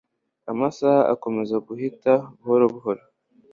Amasaha akomeza guhita buhoro buhoro.